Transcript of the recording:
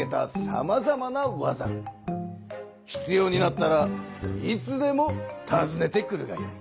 ひつようになったらいつでもたずねてくるがよい。